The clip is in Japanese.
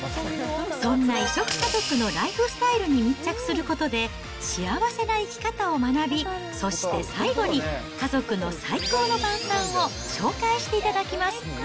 そんな異色家族のライフスタイルに密着することで、幸せな生き方を学び、そして最後に、家族の最高の晩さんを紹介していただきます。